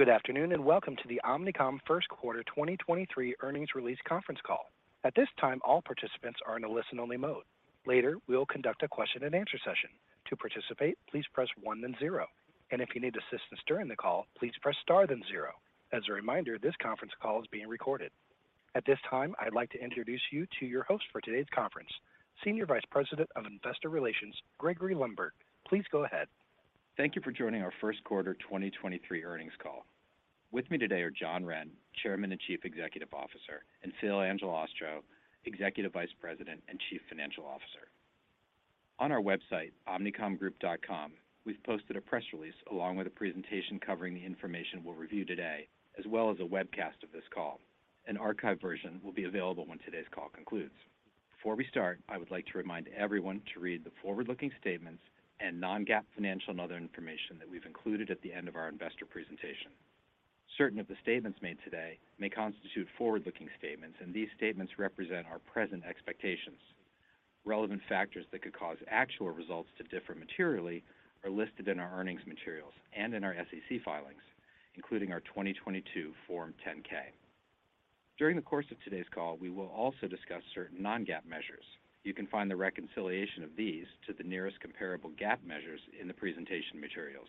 Good afternoon, welcome to the Omnicom First Quarter 2023 Earnings Release Conference Call. At this time, all participants are in a listen-only mode. Later, we will conduct a question-and-answer session. To participate, please press one then zero. If you need assistance during the call, please press star then zero. As a reminder, this conference call is being recorded. At this time, I'd like to introduce you to your host for today's conference, Senior Vice President of Investor Relations, Gregory Lundberg. Please go ahead. Thank you for joining our 1st quarter 2023 earnings call. With me today are John Wren, Chairman and Chief Executive Officer, and Phil Angelastro, Executive Vice President and Chief Financial Officer. On our website, omnicomgroup.com, we've posted a press release along with a presentation covering the information we'll review today, as well as a webcast of this call. An archived version will be available when today's call concludes. Before we start, I would like to remind everyone to read the forward-looking statements and non-GAAP financial and other information that we've included at the end of our investor presentation. Certain of the statements made today may constitute forward-looking statements, and these statements represent our present expectations. Relevant factors that could cause actual results to differ materially are listed in our earnings materials and in our SEC filings, including our 2022 Form 10-K. During the course of today's call, we will also discuss certain non-GAAP measures. You can find the reconciliation of these to the nearest comparable GAAP measures in the presentation materials.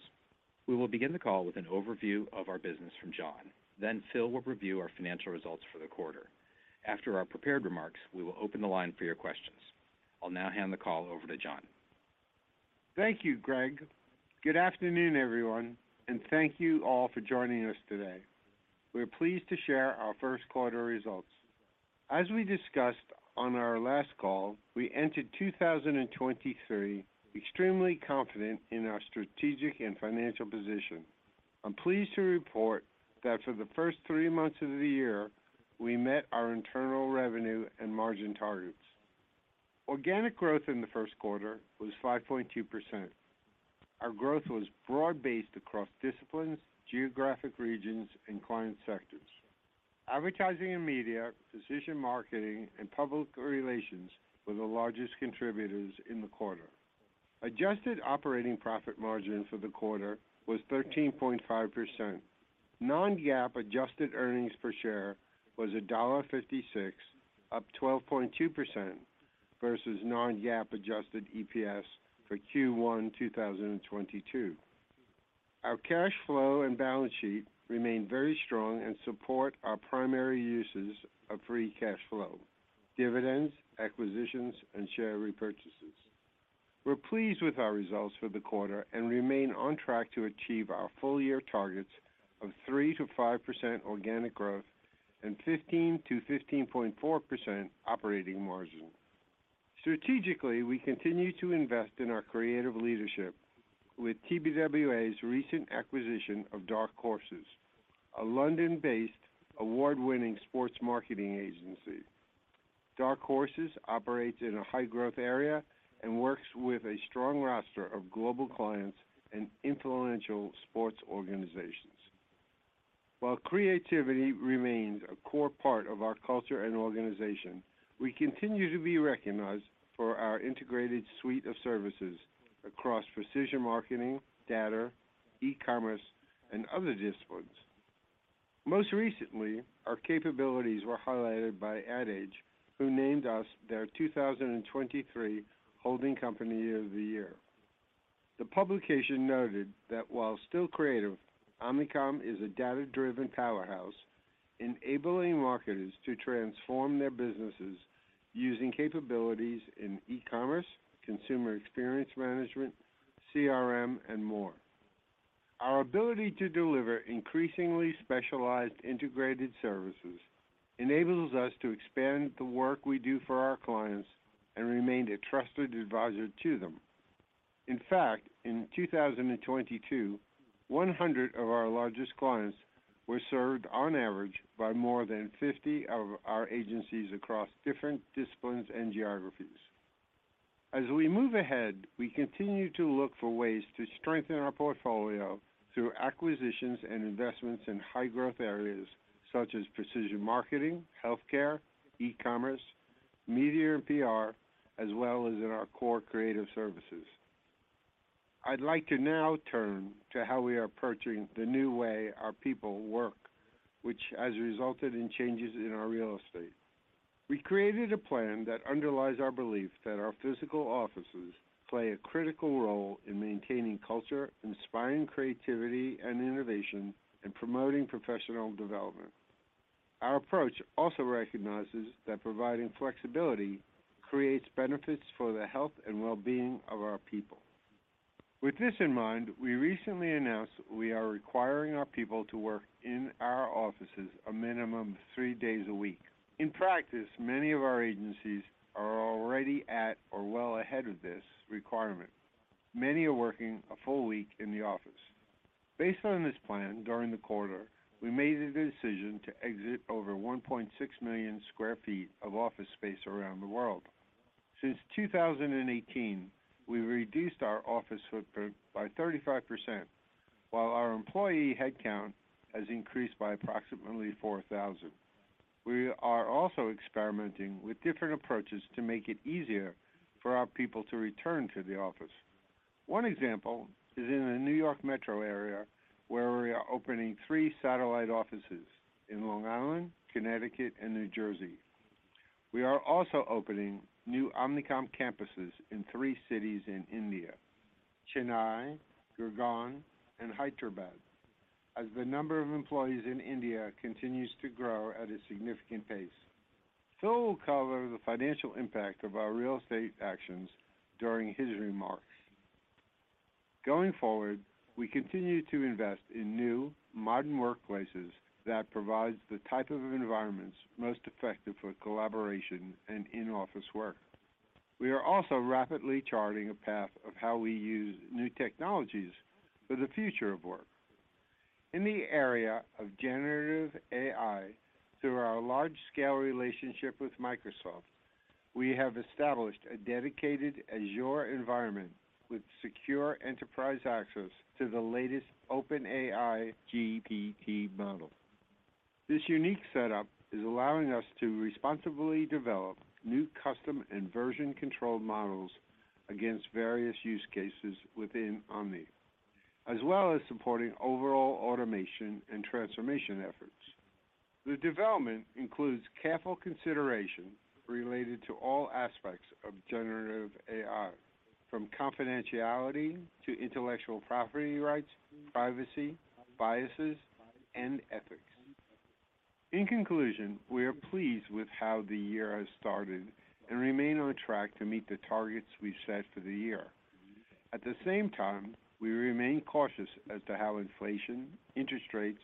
We will begin the call with an overview of our business from John. Phil will review our financial results for the quarter. After our prepared remarks, we will open the line for your questions. I'll now hand the call over to John. Thank you, Greg. Good afternoon, everyone, and thank you all for joining us today. We are pleased to share our first quarter results. As we discussed on our last call, we entered 2023 extremely confident in our strategic and financial position. I'm pleased to report that for the first three months of the year, we met our internal revenue and margin targets. Organic growth in the first quarter was 5.2%. Our growth was broad-based across disciplines, geographic regions, and client sectors. Advertising and media, precision marketing, and public relations were the largest contributors in the quarter. Adjusted operating profit margin for the quarter was 13.5%. Non-GAAP adjusted earnings per share was $1.56, up 12.2% versus non-GAAP adjusted EPS for Q1 2022. Our cash flow and balance sheet remain very strong and support our primary uses of free cash flow: dividends, acquisitions, and share repurchases. We're pleased with our results for the quarter and remain on track to achieve our full year targets of 3%-5% organic growth and 15%-15.4% operating margin. Strategically, we continue to invest in our creative leadership with TBWA's recent acquisition of Dark Horses, a London-based award-winning sports marketing agency. Dark Horses operates in a high-growth area and works with a strong roster of global clients and influential sports organizations. While creativity remains a core part of our culture and organization, we continue to be recognized for our integrated suite of services across precision marketing, data, e-commerce, and other disciplines. Most recently, our capabilities were highlighted by Ad Age, who named us their 2023 Holding Company of the Year. The publication noted that while still creative, Omnicom is a data-driven powerhouse enabling marketers to transform their businesses using capabilities in e-commerce, consumer experience management, CRM, and more. Our ability to deliver increasingly specialized integrated services enables us to expand the work we do for our clients and remain a trusted advisor to them. In fact, in 2022, 100 of our largest clients were served on average by more than 50 of our agencies across different disciplines and geographies. As we move ahead, we continue to look for ways to strengthen our portfolio through acquisitions and investments in high growth areas such as precision marketing, healthcare, e-commerce, media and PR, as well as in our core creative services. I'd like to now turn to how we are approaching the new way our people work, which has resulted in changes in our real estate. We created a plan that underlies our belief that our physical offices play a critical role in maintaining culture, inspiring creativity and innovation, and promoting professional development. Our approach also recognizes that providing flexibility creates benefits for the health and well-being of our people. With this in mind, we recently announced we are requiring our people to work in our offices a minimum of three days a week. In practice, many of our agencies are already at or well ahead of this requirement. Many are working a full week in the office. Based on this plan, during the quarter, we made the decision to exit over 1.6 million sq ft of office space around the world. Since 2018, we've reduced our office footprint by 35%, while our employee headcount has increased by approximately 4,000. We are also experimenting with different approaches to make it easier for our people to return to the office. One example is in the New York metro area, where we are opening three satellite offices in Long Island, Connecticut, and New Jersey. We are also opening new Omnicom campuses in three cities in India, Chennai, Gurgaon, and Hyderabad. As the number of employees in India continues to grow at a significant pace. Phil will cover the financial impact of our real estate actions during his remarks. Going forward, we continue to invest in new modern workplaces that provides the type of environments most effective for collaboration and in-office work. We are also rapidly charting a path of how we use new technologies for the future of work. In the area of generative AI, through our large-scale relationship with Microsoft, we have established a dedicated Azure environment with secure enterprise access to the latest OpenAI GPT model. This unique setup is allowing us to responsibly develop new custom and version controlled models against various use cases within Omni, as well as supporting overall automation and transformation efforts. The development includes careful consideration related to all aspects of generative AI, from confidentiality to intellectual property rights, privacy, biases, and ethics. In conclusion, we are pleased with how the year has started and remain on track to meet the targets we've set for the year. At the same time, we remain cautious as to how inflation, interest rates,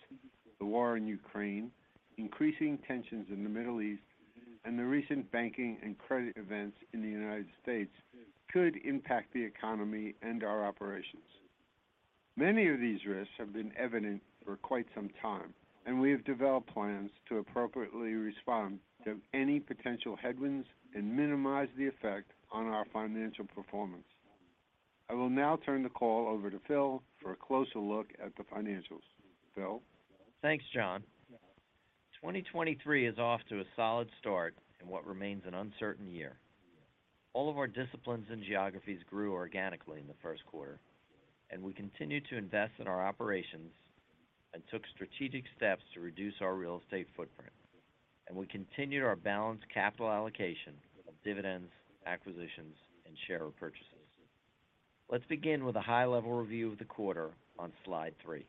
the war in Ukraine, increasing tensions in the Middle East, and the recent banking and credit events in the United States could impact the economy and our operations. Many of these risks have been evident for quite some time, we have developed plans to appropriately respond to any potential headwinds and minimize the effect on our financial performance. I will now turn the call over to Phil for a closer look at the financials. Phil? Thanks, John. 2023 is off to a solid start in what remains an uncertain year. All of our disciplines and geographies grew organically in the first quarter. We continued to invest in our operations and took strategic steps to reduce our real estate footprint. We continued our balanced capital allocation of dividends, acquisitions, and share repurchases. Let's begin with a high-level review of the quarter on slide three.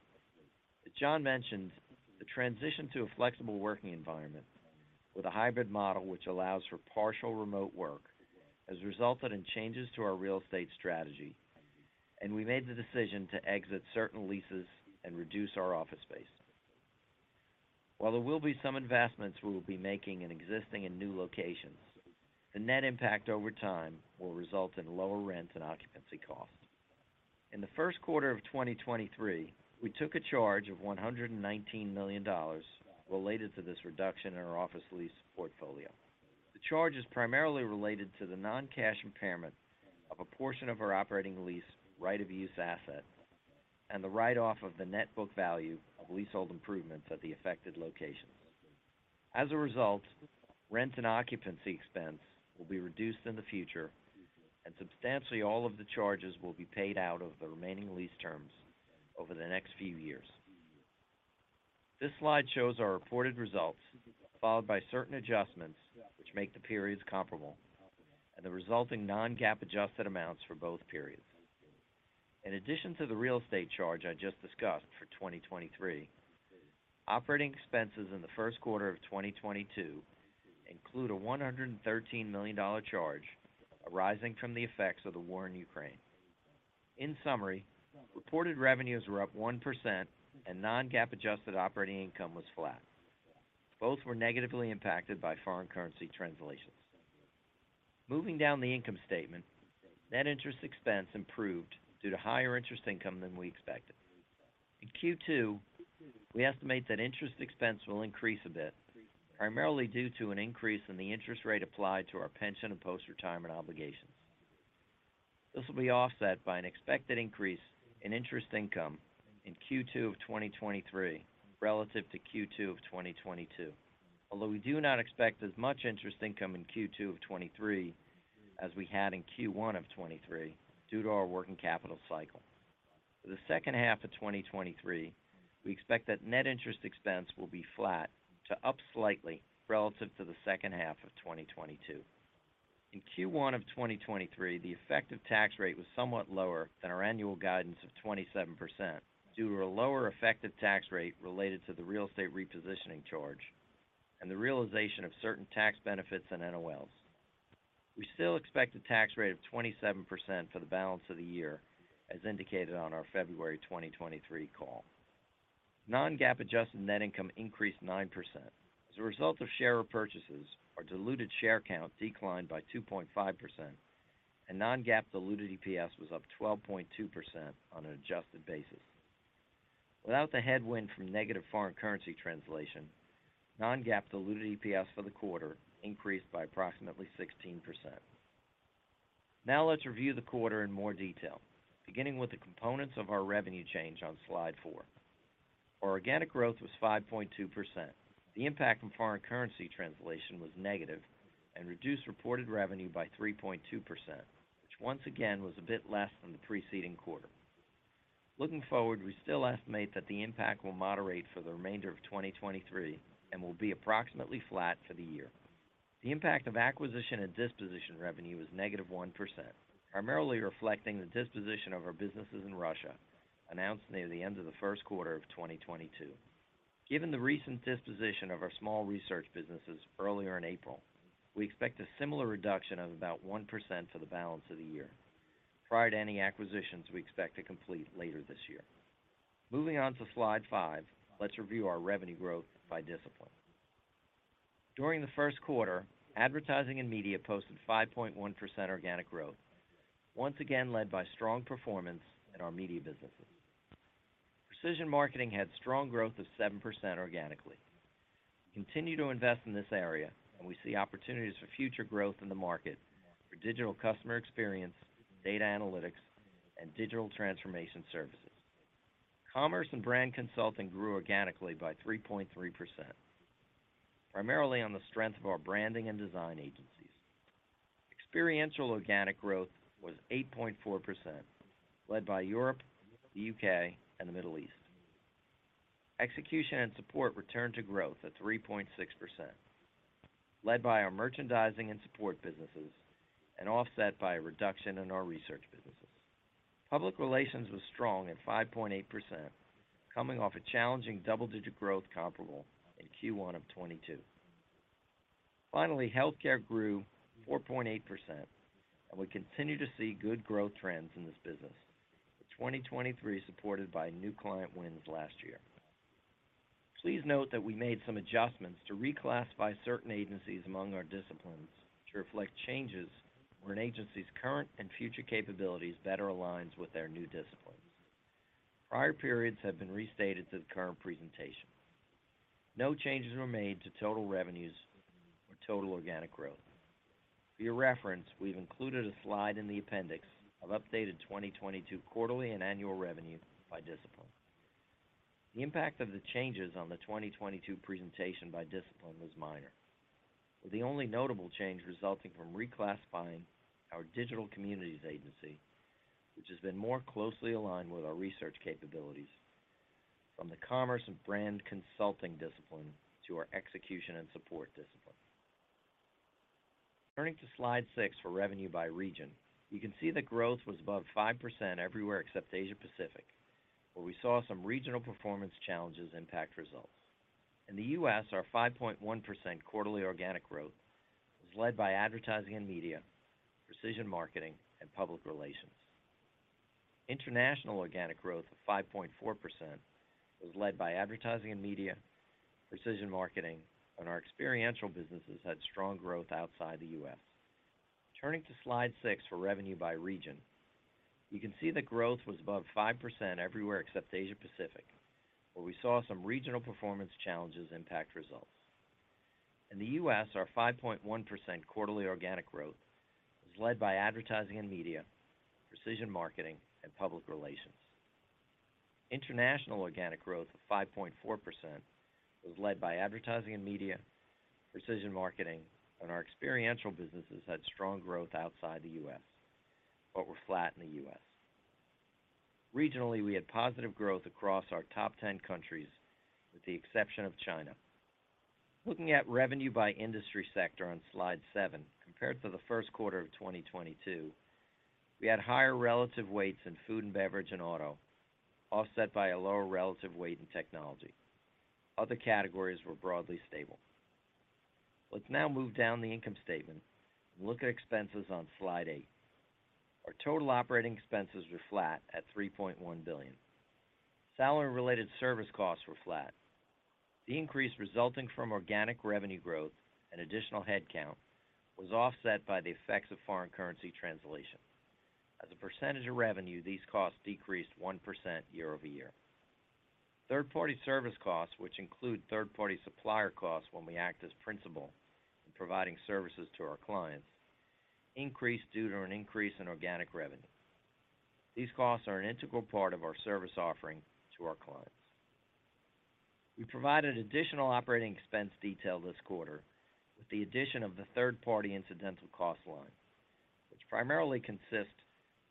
As John mentioned, the transition to a flexible working environment with a hybrid model which allows for partial remote work, has resulted in changes to our real estate strategy, and we made the decision to exit certain leases and reduce our office space. While there will be some investments we will be making in existing and new locations, the net impact over time will result in lower rent and occupancy costs. In the first quarter of 2023, we took a charge of $119 million related to this reduction in our office lease portfolio. The charge is primarily related to the non-cash impairment of a portion of our operating lease right-of-use asset and the write-off of the net book value of leasehold improvements at the affected locations. As a result, rent and occupancy expense will be reduced in the future. Substantially all of the charges will be paid out of the remaining lease terms over the next few years. This slide shows our reported results, followed by certain adjustments which make the periods comparable, and the resulting non-GAAP adjusted amounts for both periods. In addition to the real estate charge I just discussed for 2023, operating expenses in the first quarter of 2022 include a $113 million charge arising from the effects of the war in Ukraine. In summary, reported revenues were up 1% and non-GAAP adjusted operating income was flat. Both were negatively impacted by foreign currency translations. Moving down the income statement, net interest expense improved due to higher interest income than we expected. In Q2, we estimate that interest expense will increase a bit, primarily due to an increase in the interest rate applied to our pension and post-retirement obligations. This will be offset by an expected increase in interest income in Q2 of 2023 relative to Q2 of 2022. We do not expect as much interest income in Q2 of 2023 as we had in Q1 of 2023 due to our working capital cycle. For the second half of 2023, we expect that net interest expense will be flat to up slightly relative to the second half of 2022. In Q1 of 2023, the effective tax rate was somewhat lower than our annual guidance of 27% due to a lower effective tax rate related to the real estate repositioning charge and the realization of certain tax benefits and NOLs. We still expect a tax rate of 27% for the balance of the year as indicated on our February 2023 call. Non-GAAP adjusted net income increased 9%. As a result of share repurchases, our diluted share count declined by 2.5%, and non-GAAP diluted EPS was up 12.2% on an adjusted basis. Without the headwind from negative foreign currency translation, non-GAAP diluted EPS for the quarter increased by approximately 16%. Let's review the quarter in more detail, beginning with the components of our revenue change on slide four. Our organic growth was 5.2%. The impact from foreign currency translation was negative and reduced reported revenue by 3.2%, which once again was a bit less than the preceding quarter. Looking forward, we still estimate that the impact will moderate for the remainder of 2023 and will be approximately flat for the year. The impact of acquisition and disposition revenue was -1%, primarily reflecting the disposition of our businesses in Russia announced near the end of the first quarter of 2022. Given the recent disposition of our small research businesses earlier in April, we expect a similar reduction of about 1% for the balance of the year prior to any acquisitions we expect to complete later this year. Moving on to slide 5, let's review our revenue growth by discipline. During the first quarter, advertising and media posted 5.1% organic growth, once again led by strong performance in our media businesses. Precision marketing had strong growth of 7% organically. We continue to invest in this area and we see opportunities for future growth in the market for digital customer experience, data analytics and digital transformation services. Commerce and brand consulting grew organically by 3.3%, primarily on the strength of our branding and design agencies. Experiential organic growth was 8.4%, led by Europe, the UK and the Middle East. Execution and support returned to growth at 3.6%, led by our merchandising and support businesses and offset by a reduction in our research businesses. Public relations was strong at 5.8%, coming off a challenging double-digit growth comparable in Q1 of 2022. Finally, healthcare grew 4.8%, and we continue to see good growth trends in this business with 2023 supported by new client wins last year. Please note that we made some adjustments to reclassify certain agencies among our disciplines to reflect changes where an agency's current and future capabilities better aligns with their new disciplines. Prior periods have been restated to the current presentation. No changes were made to total revenues or total organic growth. For your reference, we've included a slide in the appendix of updated 2022 quarterly and annual revenue by discipline. The impact of the changes on the 2022 presentation by discipline was minor, with the only notable change resulting from reclassifying our digital communities agency, which has been more closely aligned with our research capabilities from the commerce and brand consulting discipline to our execution and support discipline. Turning to slide five for revenue by region, you can see that growth was above 5% everywhere except Asia-Pacific, where we saw some regional performance challenges impact results. In the US, our 5.1% quarterly organic growth was led by advertising and media, precision marketing and public relations. International organic growth of 5.4% was led by advertising and media, precision marketing, and our experiential businesses had strong growth outside the US. Turning to slide six for revenue by region, you can see the growth was above 5% everywhere except Asia-Pacific, where we saw some regional performance challenges impact results. In the US, our 5.1% quarterly organic growth was led by advertising and media, precision marketing and public relations. International organic growth of 5.4% was led by advertising and media, precision marketing, and our experiential businesses had strong growth outside the US but were flat in the US. Regionally, we had positive growth across our top 10 countries with the exception of China. Looking at revenue by industry sector on slide seven, compared to the first quarter of 2022, we had higher relative weights in food and beverage and auto, offset by a lower relative weight in technology. Other categories were broadly stable. Let's now move down the income statement and look at expenses on slide eight. Our total operating expenses were flat at $3.1 billion. Salary related service costs were flat. The increase resulting from organic revenue growth and additional headcount was offset by the effects of foreign currency translation. As a percentage of revenue, these costs decreased 1% year-over-year. Third-party service costs, which include third-party supplier costs when we act as principal in providing services to our clients, increased due to an increase in organic revenue. These costs are an integral part of our service offering to our clients. We provided additional operating expense detail this quarter with the addition of the third party incidental cost line, which primarily consists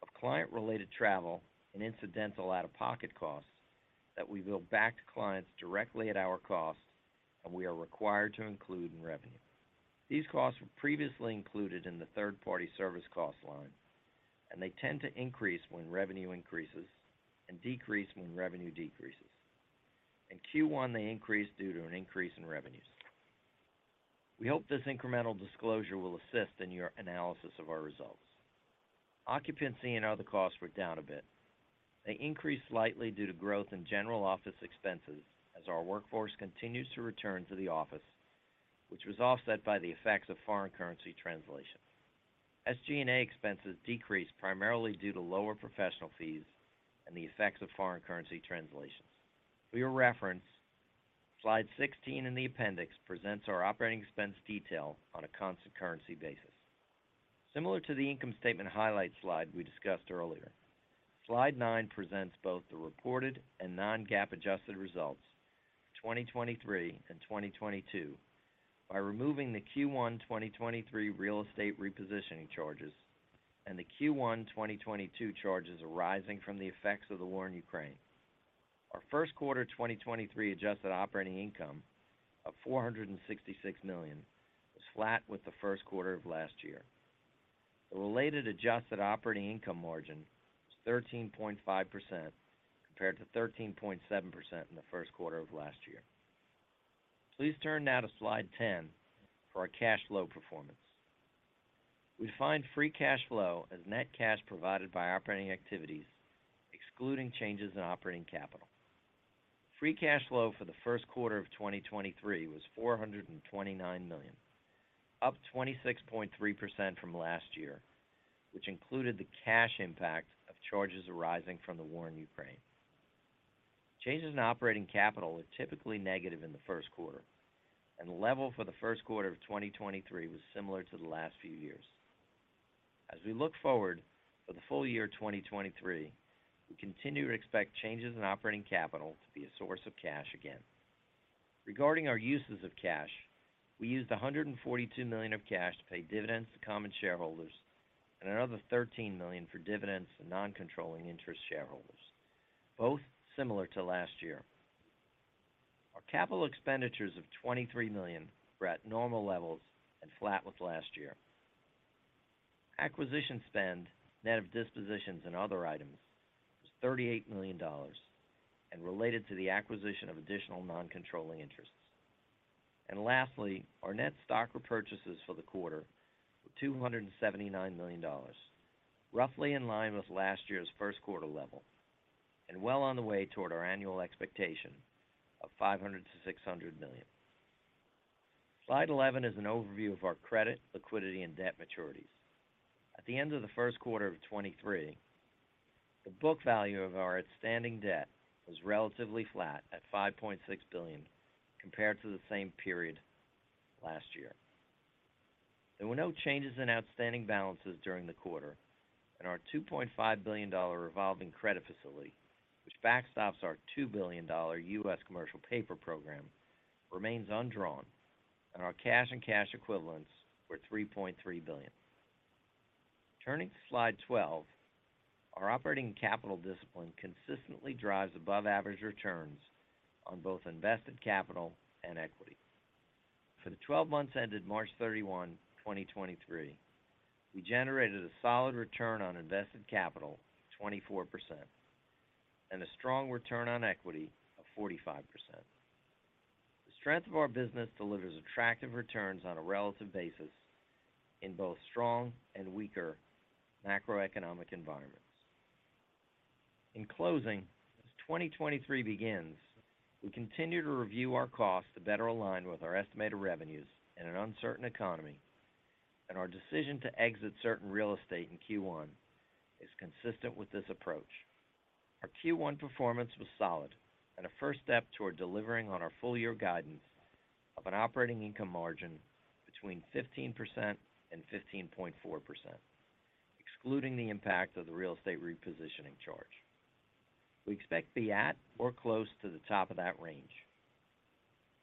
of client-related travel and incidental out-of-pocket costs that we bill back to clients directly at our cost and we are required to include in revenue. These costs were previously included in the third party service cost line, and they tend to increase when revenue increases and decrease when revenue decreases. In Q1, they increased due to an increase in revenues. We hope this incremental disclosure will assist in your analysis of our results. Occupancy and other costs were down a bit. They increased slightly due to growth in general office expenses as our workforce continues to return to the office, which was offset by the effects of foreign currency translation. SG&A expenses decreased primarily due to lower professional fees and the effects of foreign currency translations. For your reference. Slide 16 in the appendix presents our operating expense detail on a constant currency basis. Similar to the income statement highlight slide we discussed earlier, slide nine presents both the reported and non-GAAP adjusted results, 2023 and 2022, by removing the Q1 2023 real estate repositioning charges and the Q1 2022 charges arising from the effects of the war in Ukraine. Our first quarter 2023 adjusted operating income of $466 million was flat with the first quarter of last year. The related adjusted operating income margin was 13.5% compared to 13.7% in the first quarter of last year. Please turn now to slide 10 for our cash flow performance. We define free cash flow as net cash provided by operating activities, excluding changes in operating capital. Free cash flow for the first quarter of 2023 was $429 million, up 26.3% from last year, which included the cash impact of charges arising from the war in Ukraine. Changes in operating capital are typically negative in the first quarter. The level for the first quarter of 2023 was similar to the last few years. As we look forward for the full year 2023, we continue to expect changes in operating capital to be a source of cash again. Regarding our uses of cash, we used $142 million of cash to pay dividends to common shareholders and another $13 million for dividends to non-controlling interest shareholders, both similar to last year. Our capital expenditures of $23 million were at normal levels and flat with last year. Acquisition spend, net of dispositions and other items, was $38 million and related to the acquisition of additional non-controlling interests. Lastly, our net stock repurchases for the quarter were $279 million, roughly in line with last year's first quarter level and well on the way toward our annual expectation of $500 million-$600 million. Slide 11 is an overview of our credit, liquidity, and debt maturities. At the end of the first quarter of 2023, the book value of our outstanding debt was relatively flat at $5.6 billion compared to the same period last year. There were no changes in outstanding balances during the quarter, and our $2.5 billion revolving credit facility, which backstops our $2 billion US commercial paper program, remains undrawn, and our cash and cash equivalents were $3.3 billion. Turning to slide 12, our operating capital discipline consistently drives above average returns on both return on invested capital and return on equity. For the 12 months ended March 31, 2023, we generated a solid return on invested capital of 24% and a strong return on equity of 45%. The strength of our business delivers attractive returns on a relative basis in both strong and weaker macroeconomic environments. In closing, as 2023 begins, we continue to review our costs to better align with our estimated revenues in an uncertain economy, and our decision to exit certain real estate in Q1 is consistent with this approach. Our Q1 performance was solid and a first step toward delivering on our full year guidance of an operating income margin between 15% and 15.4%, excluding the impact of the real estate repositioning charge. We expect to be at or close to the top of that range.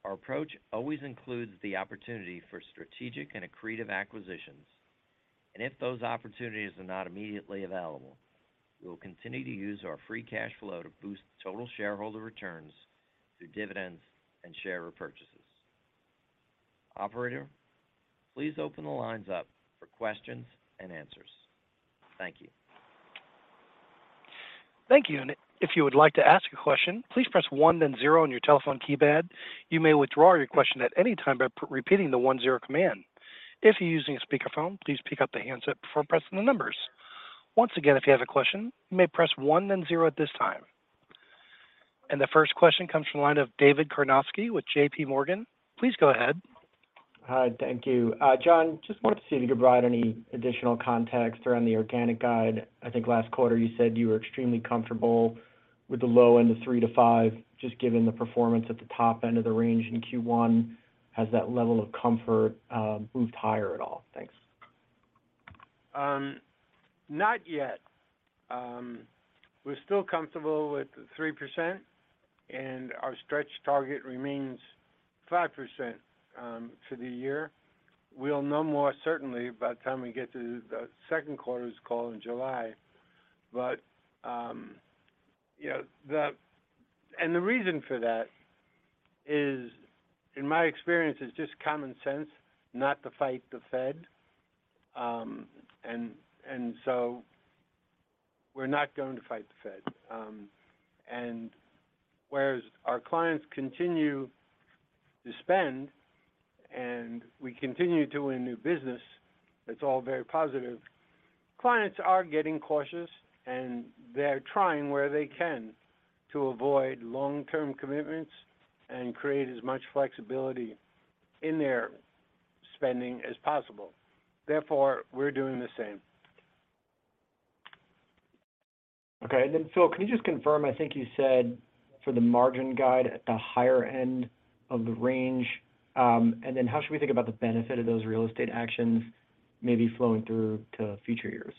Our approach always includes the opportunity for strategic and accretive acquisitions, and if those opportunities are not immediately available, we will continue to use our free cash flow to boost total shareholder returns through dividends and share repurchases. Operator, please open the lines up for questions and answers. Thank you. Thank you. If you would like to ask a question, please press one then zero on your telephone keypad. You may withdraw your question at any time by repeating the one zero command. If you're using a speakerphone, please pick up the handset before pressing the numbers. Once again, if you have a question, you may press one then zero at this time. The first question comes from the line of David Karnovsky with JPMorgan. Please go ahead. Hi. Thank you. John, just wanted to see if you could provide any additional context around the organic guide. I think last quarter you said you were extremely comfortable with the low end of 3%-5%. Just given the performance at the top end of the range in Q1, has that level of comfort moved higher at all? Thanks. Not yet. We're still comfortable with 3%, and our stretch target remains 5% for the year. We'll know more certainly by the time we get to the 2nd quarter's call in July. You know, the reason for that is, in my experience, it's just common sense not to fight the Fed. So we're not going to fight the Fed. Whereas our clients continue to spend and we continue doing new business, that's all very positive. Clients are getting cautious, and they're trying where they can to avoid long-term commitments and create as much flexibility in their spending as possible. Therefore, we're doing the same. Okay. Phil, can you just confirm, I think you said for the margin guide at the higher end of the range, and then how should we think about the benefit of those real estate actions maybe flowing through to future years?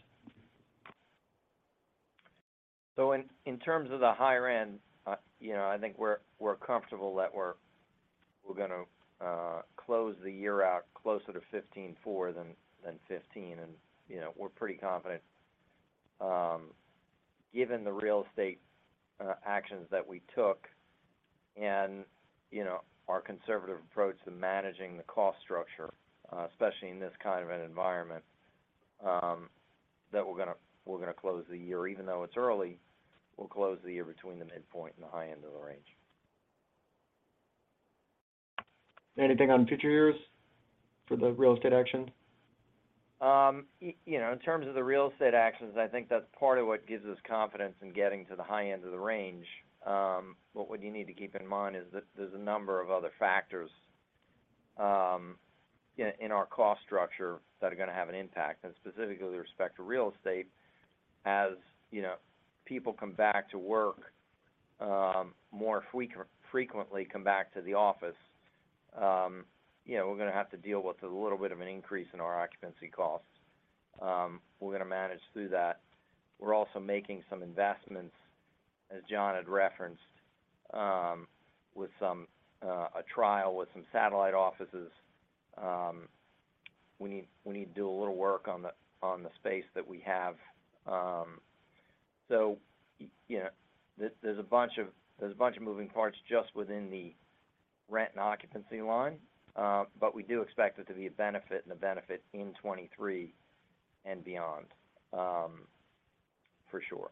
In terms of the higher end, you know, I think we're comfortable that we're gonna close the year out closer to $15.4 than $15. You know, we're pretty confident, given the real estate actions that we took and, you know, our conservative approach to managing the cost structure, especially in this kind of an environment, that we're gonna close the year. Even though it's early, we'll close the year between the midpoint and the high end of the range. Anything on future years for the real estate action? You know, in terms of the real estate actions, I think that's part of what gives us confidence in getting to the high end of the range. What you need to keep in mind is that there's a number of other factors in our cost structure that are gonna have an impact. Specifically with respect to real estate, as, you know, people come back to work, more frequently come back to the office, you know, we're gonna have to deal with a little bit of an increase in our occupancy costs. We're gonna manage through that. We're also making some investments, as John had referenced, with some a trial with some satellite offices. We need to do a little work on the space that we have. You know, there's a bunch of moving parts just within the rent and occupancy line. We do expect there to be a benefit and a benefit in 23 and beyond, for sure.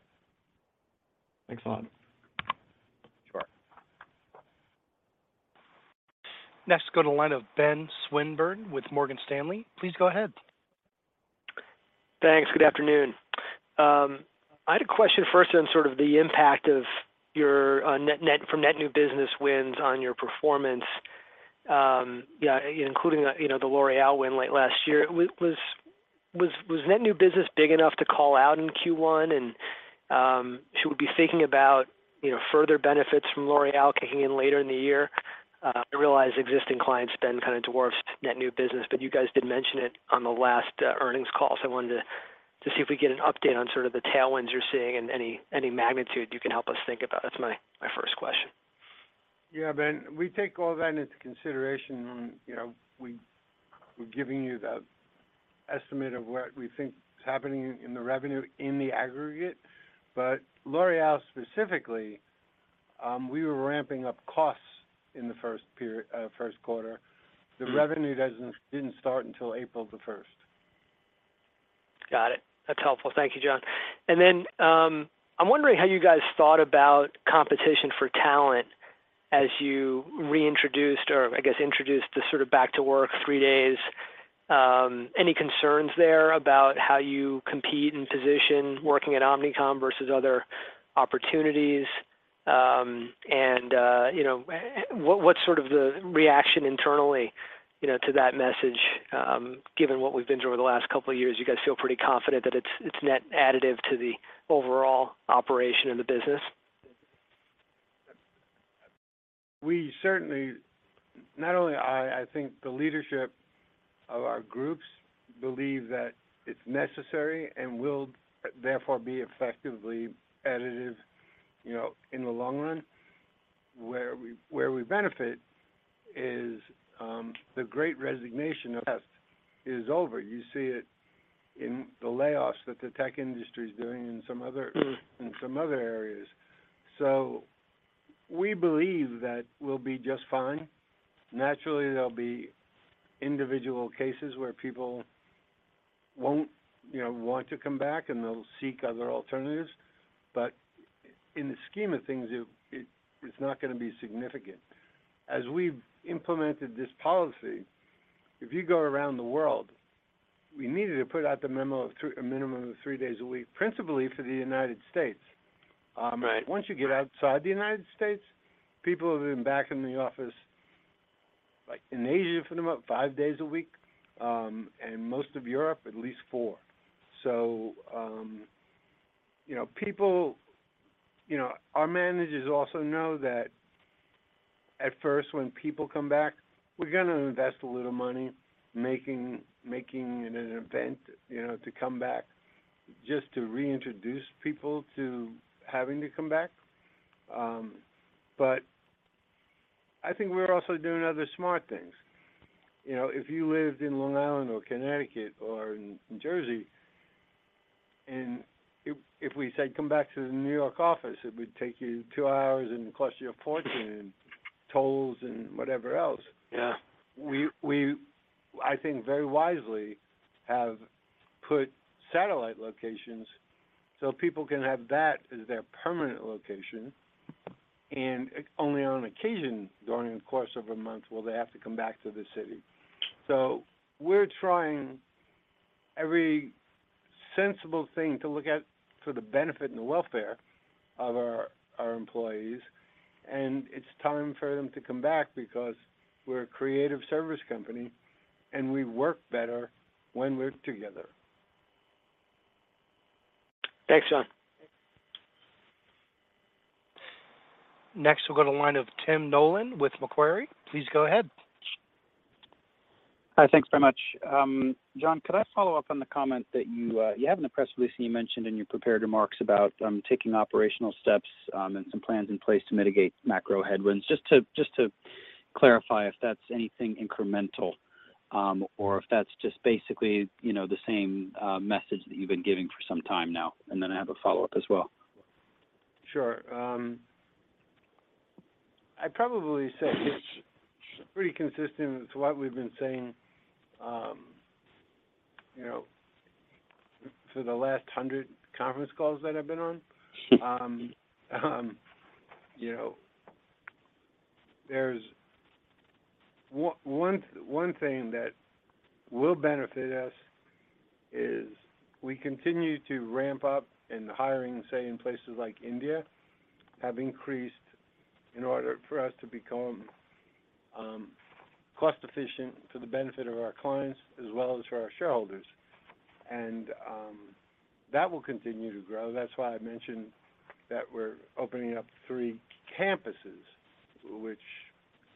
Thanks a lot. Sure. Go to the line of Ben Swinburne with Morgan Stanley. Please go ahead. Thanks. Good afternoon. I had a question first on sort of the impact of your net from net new business wins on your performance, including, you know, the L'Oréal win late last year. Was net new business big enough to call out in Q1? Should we be thinking about, you know, further benefits from L'Oréal kicking in later in the year? I realize existing client spend kind of dwarfs net new business, you guys did mention it on the last earnings call. I wanted to see if we can get an update on sort of the tailwinds you're seeing and any magnitude you can help us think about. That's my first question. Yeah, Ben, we take all that into consideration when, you know, we're giving you the estimate of what we think is happening in the revenue in the aggregate. L'Oréal specifically, we were ramping up costs in the first quarter. The revenue didn't start until April the first. Got it. That's helpful. Thank you, John. I'm wondering how you guys thought about competition for talent as you reintroduced or I guess introduced the sort of back to work three days. Any concerns there about how you compete and position working at Omnicom versus other opportunities? You know, what's sort of the reaction internally, you know, to that message, given what we've been through over the last couple of years, you guys feel pretty confident that it's net additive to the overall operation of the business? We certainly, not only I think the leadership of our groups believe that it's necessary and will therefore be effectively additive, you know, in the long run. Where we benefit is, the great resignation at best is over. You see it in the layoffs that the tech industry is doing and some other areas. We believe that we'll be just fine. Naturally, there'll be individual cases where people won't, you know, want to come back and they'll seek other alternatives. In the scheme of things, it's not gonna be significant. As we've implemented this policy, if you go around the world, we needed to put out the memo of a minimum of three days a week, principally for the United States. Right. Once you get outside the United States, people have been back in the office, like in Asia for about 5 days a week, and most of Europe, at least four. You know, people... You know, our managers also know that at first when people come back, we're gonna invest a little money making it an event, you know, to come back just to reintroduce people to having to come back. But I think we're also doing other smart things. You know, if you lived in Long Island or Connecticut or in Jersey, and if we said, "Come back to the New York office," it would take you two hours and cost you a fortune in tolls and whatever else. Yeah. We, I think very wisely, have put satellite locations so people can have that as their permanent location and only on occasion, during the course of a month, will they have to come back to the city. We're trying every sensible thing to look at for the benefit and the welfare of our employees. It's time for them to come back because we're a creative service company, and we work better when we're together. Thanks, John. Next, we'll go to the line of Tim Nollen with Macquarie. Please go ahead. Hi. Thanks very much. John, could I follow up on the comment that you had in the press release, and you mentioned in your prepared remarks about taking operational steps, and some plans in place to mitigate macro headwinds. Just to clarify if that's anything incremental, or if that's just basically, you know, the same message that you've been giving for some time now. I have a follow-up as well. Sure. I'd probably say it's pretty consistent to what we've been saying, you know, for the last 100 conference calls that I've been on. You know, there's one thing that will benefit us is we continue to ramp up in hiring, say in places like India, have increased in order for us to become cost-efficient for the benefit of our clients as well as for our shareholders. That will continue to grow. That's why I mentioned that we're opening up three campuses, which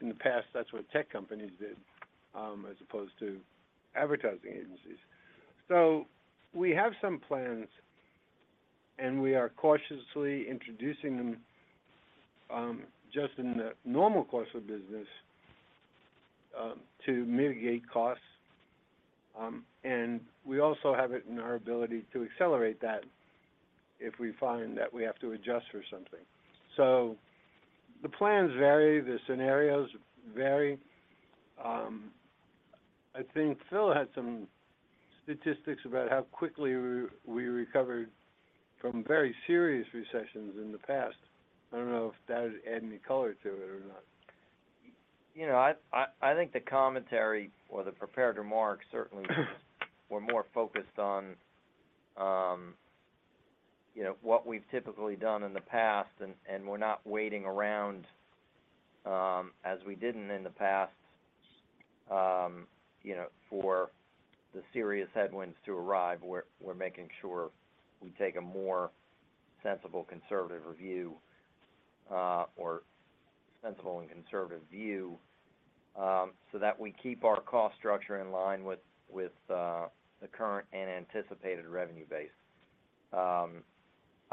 in the past, that's what tech companies did, as opposed to advertising agencies. We have some plans, and we are cautiously introducing them, just in the normal course of business, to mitigate costs. We also have it in our ability to accelerate that if we find that we have to adjust for something. The plans vary, the scenarios vary. I think Phil had some statistics about how quickly we recovered from very serious recessions in the past. I don't know if that would add any color to it or not. You know, I think the commentary or the prepared remarks certainly were more focused on, you know, what we've typically done in the past. We're not waiting around, as we didn't in the past, you know, for the serious headwinds to arrive. We're making sure we take a more sensible, conservative review, or sensible and conservative view, so that we keep our cost structure in line with, the current and anticipated revenue base. I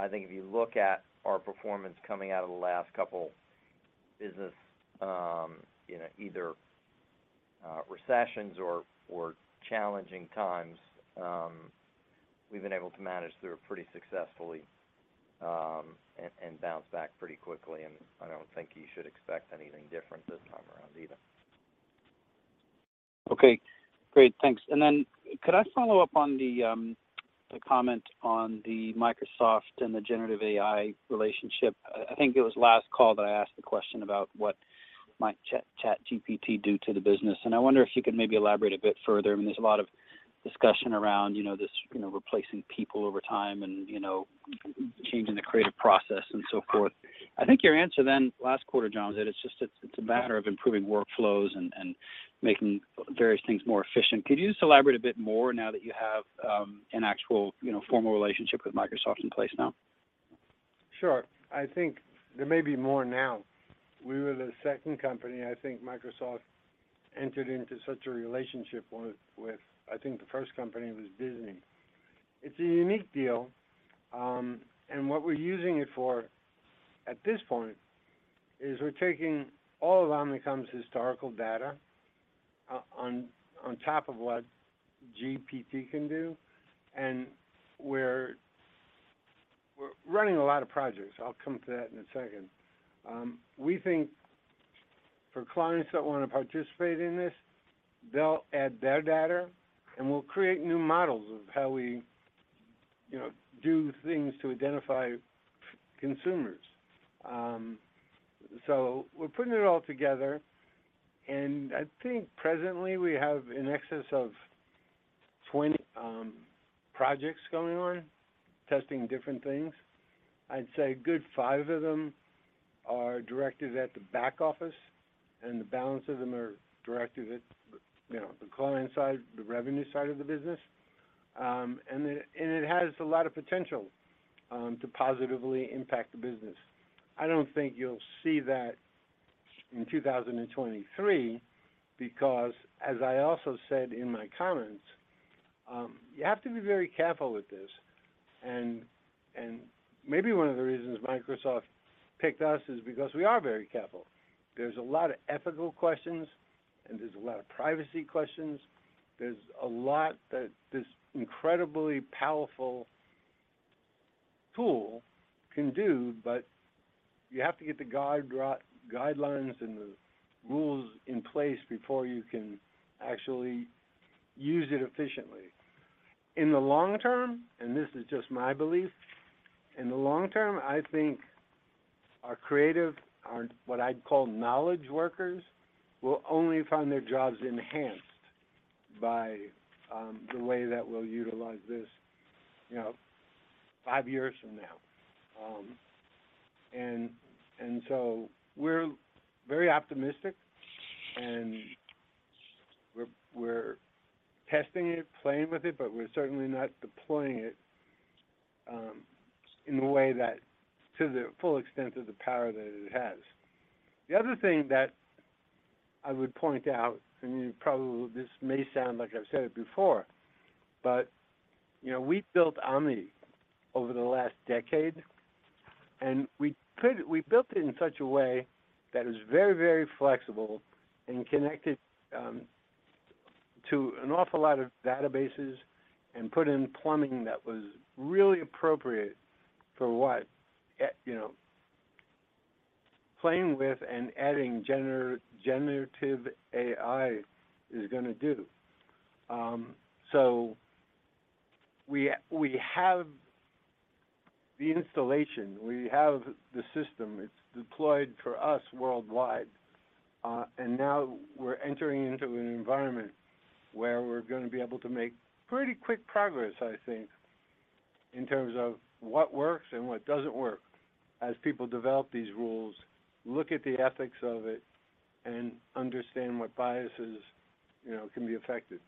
think if you look at our performance coming out of the last couple business, you know, either, recessions or challenging times, we've been able to manage through it pretty successfully, and bounce back pretty quickly, and I don't think you should expect anything different this time around either. Okay. Great. Thanks. Could I follow up on the comment on the Microsoft and the generative AI relationship? I think it was last call that I asked the question about what might ChatGPT do to the business, and I wonder if you could maybe elaborate a bit further. I mean, there's a lot of discussion around, you know, this, you know, replacing people over time and, you know, changing the creative process and so forth. I think your answer then last quarter, John, was that it's just, it's a matter of improving workflows and making various things more efficient. Could you just elaborate a bit more now that you have an actual, you know, formal relationship with Microsoft in place now? I think there may be more now. We were the second company, I think Microsoft entered into such a relationship with. I think the first company was Disney. It's a unique deal. What we're using it for at this point is we're taking all of Omnicom's historical data on top of what GPT can do. We're running a lot of projects. I'll come to that in a second. We think for clients that wanna participate in this, they'll add their data. We'll create new models of how we, you know, do things to identify consumers. We're putting it all together. I think presently we have in excess of 20 projects going on, testing different things. I'd say a good five of them are directed at the back office, and the balance of them are directed at, you know, the client side, the revenue side of the business. It has a lot of potential to positively impact the business. I don't think you'll see that in 2023 because as I also said in my comments, you have to be very careful with this. Maybe one of the reasons Microsoft picked us is because we are very careful. There's a lot of ethical questions, and there's a lot of privacy questions. There's a lot that this incredibly powerful tool can do, but you have to get the guidelines and the rules in place before you can actually use it efficiently. In the long term, and this is just my belief, in the long term, Our creative, our what I'd call knowledge workers, will only find their jobs enhanced by the way that we'll utilize this, you know, five years from now. So we're very optimistic and we're testing it, playing with it, but we're certainly not deploying it in the way that to the full extent of the power that it has. The other thing that I would point out, you probably this may sound like I've said it before, but you know, we built Omni over the last decade, and we built it in such a way that is very, very flexible and connected, to an awful lot of databases and put in plumbing that was really appropriate for what, you know, playing with and adding generative AI is gonna do. We have the installation, we have the system, it's deployed for us worldwide. Now we're entering into an environment where we're gonna be able to make pretty quick progress, I think, in terms of what works and what doesn't work as people develop these rules, look at the ethics of it, and understand what biases, you know, can be affected.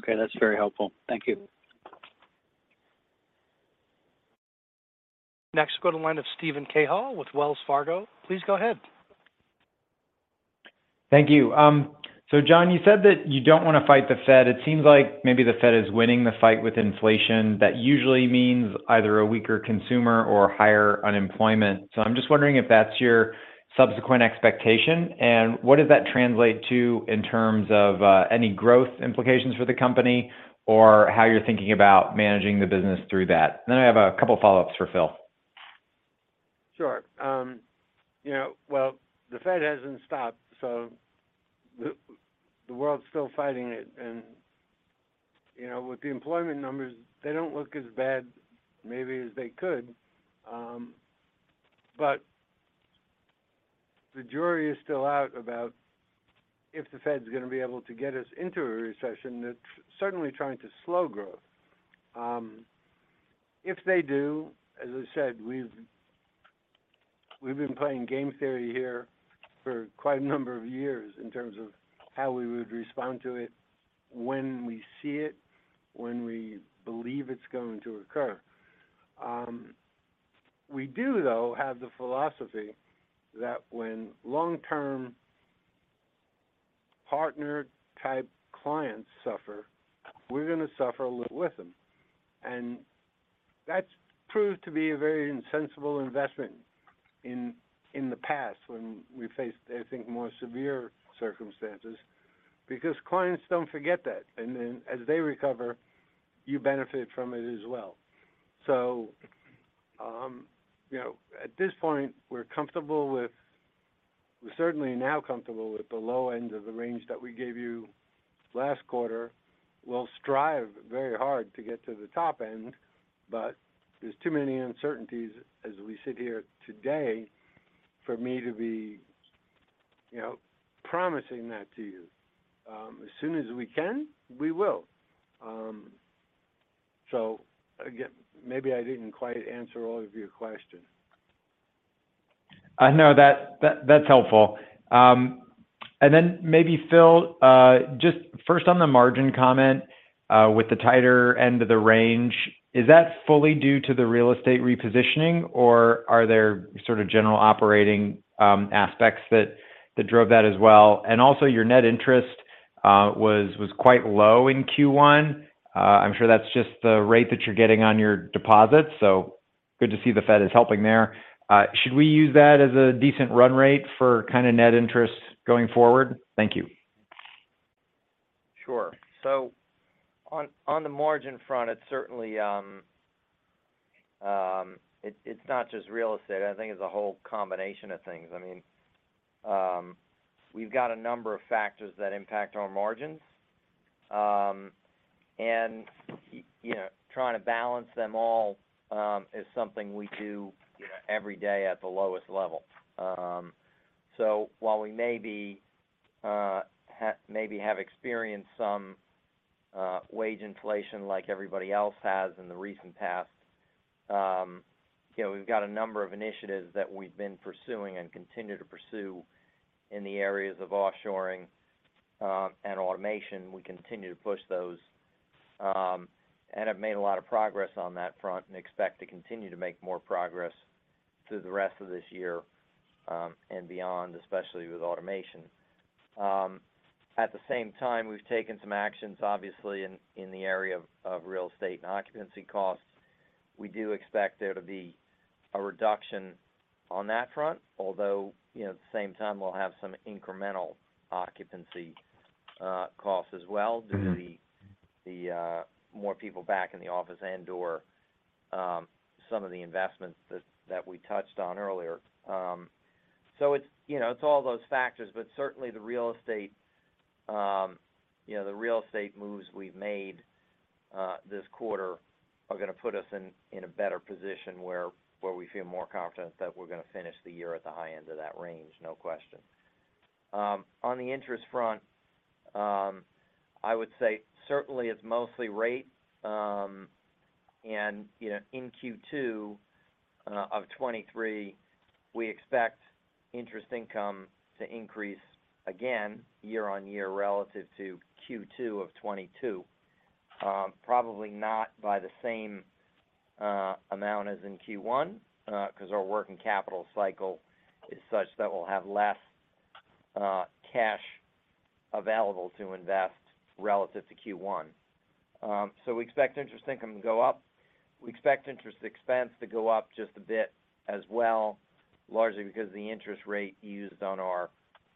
Okay. That's very helpful. Thank you. Next, go to the line of Steven Cahall with Wells Fargo. Please go ahead. Thank you. John, you said that you don't wanna fight the Fed. It seems like maybe the Fed is winning the fight with inflation. That usually means either a weaker consumer or higher unemployment. I'm just wondering if that's your subsequent expectation, and what does that translate to in terms of any growth implications for the company or how you're thinking about managing the business through that? I have a couple follow-ups for Phil. Sure. You know, well, the Fed hasn't stopped, so the world's still fighting it. You know, with the employment numbers, they don't look as bad maybe as they could, but the jury is still out about if the Fed's gonna be able to get us into a recession. It's certainly trying to slow growth. If they do, as I said, we've been playing game theory here for quite a number of years in terms of how we would respond to it when we see it, when we believe it's going to occur. We do though, have the philosophy that when long-term partner-type clients suffer, we're gonna suffer a little with them. That's proved to be a very insensible investment in the past when we faced, I think, more severe circumstances because clients don't forget that. As they recover, you benefit from it as well. At this point, you know, we're certainly now comfortable with the low end of the range that we gave you last quarter. We'll strive very hard to get to the top end, but there's too many uncertainties as we sit here today for me to be, you know, promising that to you. As soon as we can, we will. Again, maybe I didn't quite answer all of your questions. No. That's helpful. Maybe Phil, just first on the margin comment, with the tighter end of the range, is that fully due to the real estate repositioning, or are there sort of general operating aspects that drove that as well? Also your net interest was quite low in Q1. I'm sure that's just the rate that you're getting on your deposits, so good to see the Fed is helping there. Should we use that as a decent run rate for kinda net interest going forward? Thank you. Sure. On the margin front, it's certainly, it's not just real estate. I think it's a whole combination of things. I mean, we've got a number of factors that impact our margins. You know, trying to balance them all, is something we do, you know, every day at the lowest level. While we maybe have experienced some, wage inflation like everybody else has in the recent past, you know, we've got a number of initiatives that we've been pursuing and continue to pursue in the areas of offshoring, and automation. We continue to push those, and have made a lot of progress on that front and expect to continue to make more progress through the rest of this year, and beyond, especially with automation. At the same time, we've taken some actions obviously in the area of real estate and occupancy costs. We do expect there to be a reduction on that front, although, you know, at the same time, we'll have some incremental occupancy, costs as well. Mm-hmm... due to the more people back in the office and/or, some of the investments that we touched on earlier. It's, you know, it's all those factors, but certainly the real estate. You know, the real estate moves we've made, this quarter are gonna put us in a better position where we feel more confident that we're gonna finish the year at the high end of that range, no question. On the interest front, I would say certainly it's mostly rate. You know, in Q2 of 2023, we expect interest income to increase again year-on-year relative to Q2 of 2022. probably not by the same amount as in Q1, 'cause our working capital cycle is such that we'll have less cash available to invest relative to Q1. We expect interest income to go up. We expect interest expense to go up just a bit as well, largely because the interest rate used on our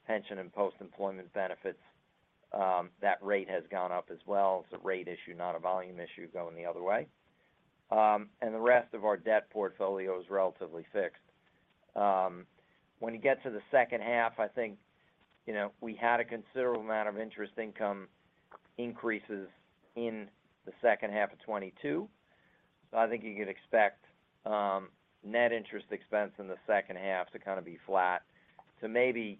pension and post-employment benefits, that rate has gone up as well. It's a rate issue, not a volume issue going the other way. The rest of our debt portfolio is relatively fixed. When you get to the second half, I think, you know, we had a considerable amount of interest income increases in the second half of 2022. I think you could expect, net interest expense in the second half to kind of be flat to maybe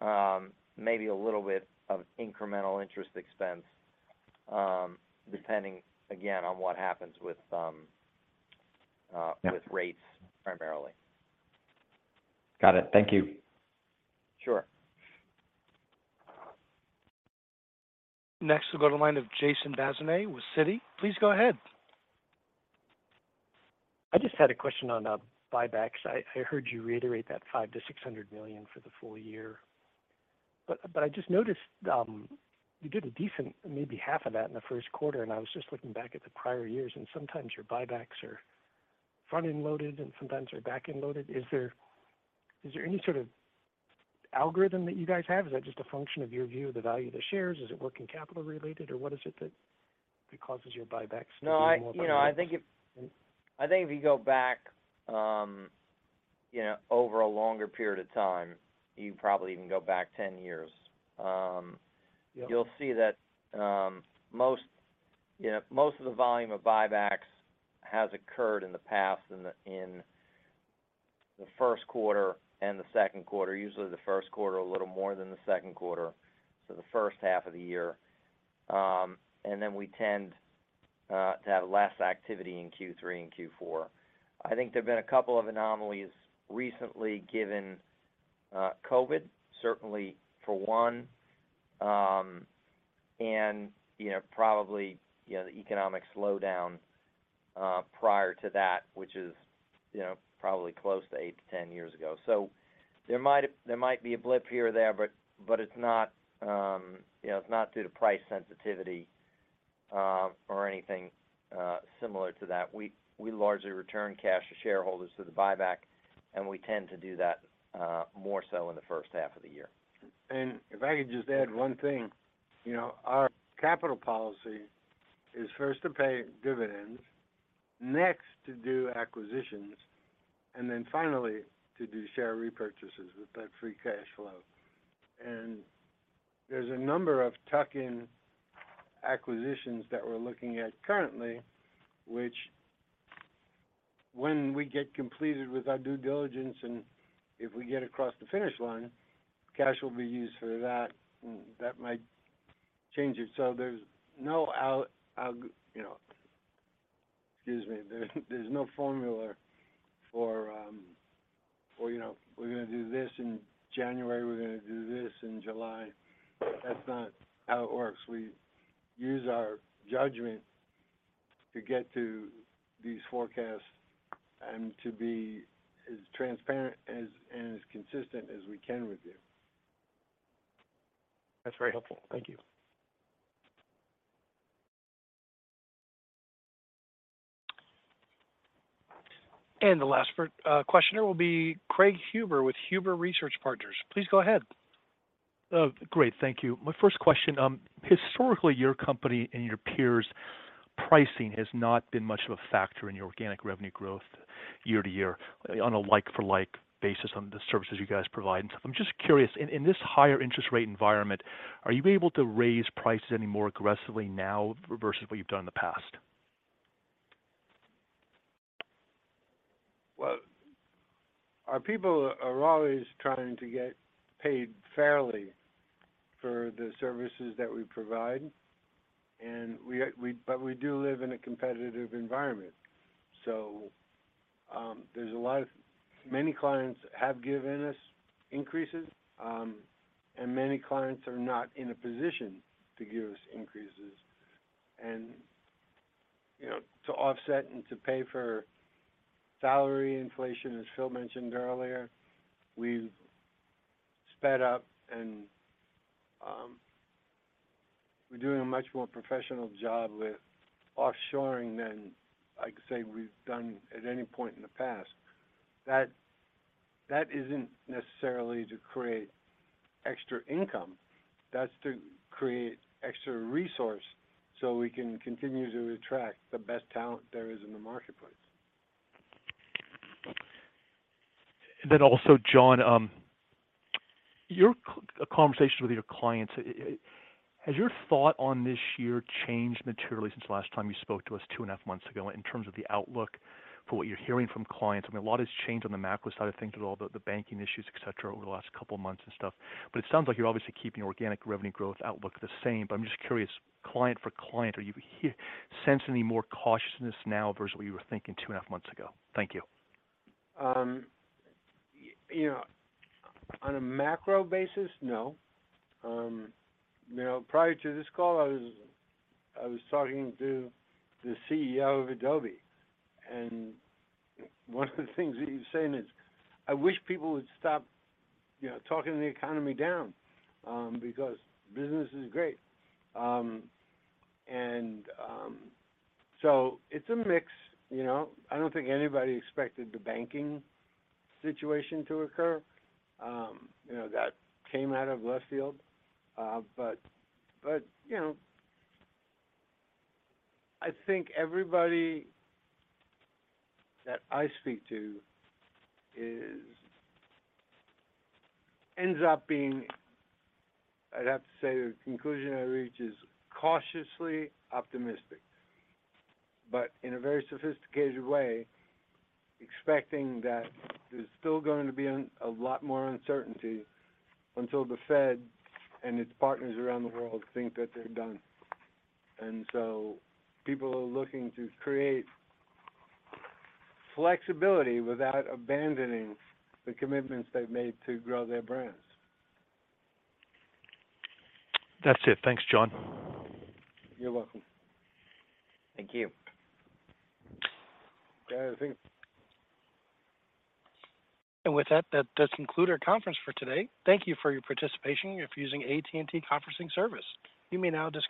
a little bit of incremental interest expense, depending again on what happens with rates primarily. Got it. Thank you. Sure. Next, we'll go to the line of Jason Bazinet with Citi. Please go ahead. I just had a question on buybacks. I heard you reiterate that $500 million-$600 million for the full year. I just noticed you did a decent maybe half of that in the first quarter, and I was just looking back at the prior years, and sometimes your buybacks are front-end loaded and sometimes they're back-end loaded. Is there any sort of algorithm that you guys have? Is that just a function of your view of the value of the shares? Is it working capital related, or what is it that causes your buybacks to be more back-end loaded? No, I, you know, I think if you go back, you know, over a longer period of time, you probably even go back 10 years. Yeah you'll see that, most, you know, most of the volume of buybacks has occurred in the past in the, in the first quarter and the second quarter. Usually the first quarter a little more than the second quarter, so the first half of the year. We tend to have less activity in Q3 and Q4. I think there've been a couple of anomalies recently given COVID, certainly for one, and you know, probably, you know, the economic slowdown prior to that, which is, you know, probably close to 8-10 years ago. There might have, there might be a blip here or there, but it's not, you know, it's not due to price sensitivity, or anything similar to that. We largely return cash to shareholders through the buyback, and we tend to do that more so in the first half of the year. If I could just add one thing. You know, our capital policy is first to pay dividends, next to do acquisitions, and then finally to do share repurchases with that free cash flow. There's a number of tuck-in acquisitions that we're looking at currently, which when we get completed with our due diligence and if we get across the finish line, cash will be used for that, and that might change it. You know, excuse me. There's no formula for, you know, we're gonna do this in January, we're gonna do this in July. That's not how it works. We use our judgment to get to these forecasts and to be as transparent as, and as consistent as we can with you. That's very helpful. Thank you. The last questioner will be Craig Huber with Huber Research Partners. Please go ahead. Great. Thank you. My first question, historically, your company and your peers' pricing has not been much of a factor in your organic revenue growth year to year on a like for like basis on the services you guys provide. I'm just curious, in this higher interest rate environment, are you able to raise prices any more aggressively now versus what you've done in the past? Well, our people are always trying to get paid fairly for the services that we provide. We do live in a competitive environment. Many clients have given us increases, and many clients are not in a position to give us increases. You know, to offset and to pay for salary inflation, as Phil mentioned earlier, we've sped up and we're doing a much more professional job with offshoring than I can say we've done at any point in the past. That isn't necessarily to create extra income. That's to create extra resource so we can continue to attract the best talent there is in the marketplace. Also, John, your conversations with your clients, has your thought on this year changed materially since the last time you spoke to us two and a half months ago in terms of the outlook for what you're hearing from clients? I mean, a lot has changed on the macro side of things with all the banking issues, et cetera, over the last couple of months and stuff. It sounds like you're obviously keeping organic revenue growth outlook the same. I'm just curious, client for client, are you sensing any more cautiousness now versus what you were thinking two and a half months ago? Thank you. You know, on a macro basis, no. You know, prior to this call, I was talking to the CEO of Adobe, and one of the things that he's saying is, "I wish people would stop, you know, talking the economy down, because business is great." It's a mix, you know. I don't think anybody expected the banking situation to occur. You know, that came out of left field. You know, I think everybody that I speak to ends up being, I'd have to say, the conclusion I reach is cautiously optimistic, but in a very sophisticated way, expecting that there's still going to be a lot more uncertainty until the Fed and its partners around the world think that they're done. People are looking to create flexibility without abandoning the commitments they've made to grow their brands. That's it. Thanks, John. You're welcome. Thank you. Yeah, thank you. With that does conclude our conference for today. Thank you for your participation. If you're using AT&T conferencing service, you may now disconnect.